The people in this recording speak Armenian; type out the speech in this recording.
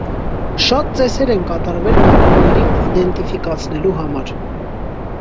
Շատ ծեսեր են կատարվել վամպիրներին իդենտիֆիկացնելու համար։